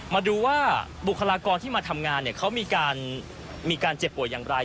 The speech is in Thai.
มาดูว่าบุคลากรที่มาทำงานเขามีการเจ็บป่วยอย่างไร